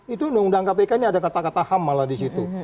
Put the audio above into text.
itu undang undang kpk ini ada kata kata ham malah di situ